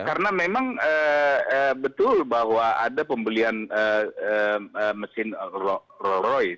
karena memang betul bahwa ada pembelian mesin rolls royce